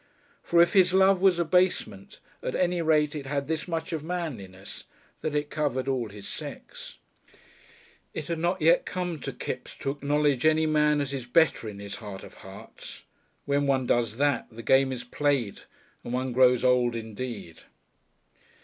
For if his love was abasement, at any rate it had this much of manliness, that it covered all his sex. It had not yet come to Kipps to acknowledge any man as his better in his heart of hearts. When one does that the game is played and one grows old indeed.